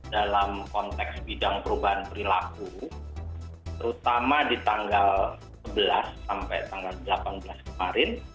dalam konteks bidang perubahan perilaku terutama di tanggal sebelas sampai tanggal delapan belas kemarin